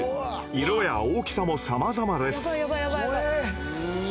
色や大きさもさまざまです。